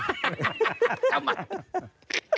ทำไม